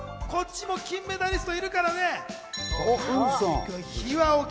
こっちにも金メダリストいるからね。